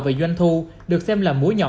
về doanh thu được xem là múi nhỏ